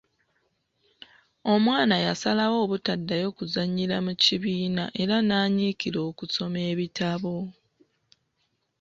Omwana yasalawo obutaddayo kuzannyira mu kibiina era n'anyiikira okusoma ebitabo.